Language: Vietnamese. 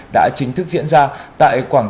đã chính thức diễn ra tại quảng trường